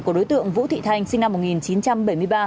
của đối tượng vũ thị thanh sinh năm một nghìn chín trăm bảy mươi ba